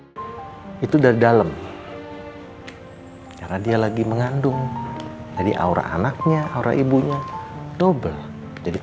hai itu dari dalam karena dia lagi mengandung jadi aura anaknya aura ibunya double jadi